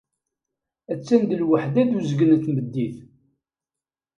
Attan d lweḥda d uzgen n tmeddit.